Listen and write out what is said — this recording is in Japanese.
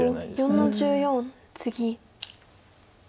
白４の十四ツギ。